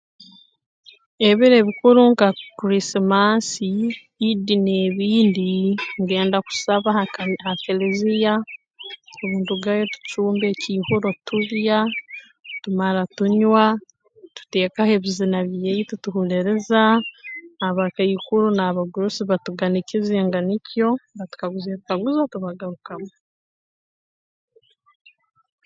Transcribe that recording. Ebiro ebikuru nka Krisimansi Idi n'ebindi ngenda kusaba ha kani ha keleziya obu ndugayo tucumba ekiihuro tulya tumara tunywa tuteekaho ebizina byaitu tuhuliriza abakaikuru n'abagurusi batuganikiza enganikyo batukaguza ebikaguzo tubagarukamu